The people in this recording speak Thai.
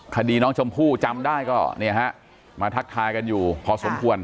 คดีน้องชมพู่จำได้ก็เนี่ยฮะมาทักทายกันอยู่พอสมควร